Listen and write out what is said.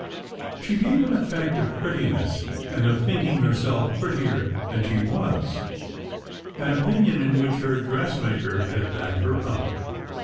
She gave an effect of prettiness and of thinking herself prettier than she was, an opinion in which her dress maker had backed her up.